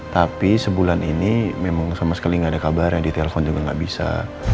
tapi sebulan ini memang sama sekali nggak ada kabar yang ditelepon juga nggak bisa